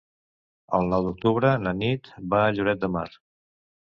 El nou d'octubre na Nit va a Lloret de Mar.